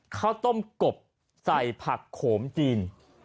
ข้าวต้มกบใส่ผักโขมจีน